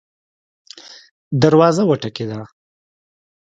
دروازه وټکیده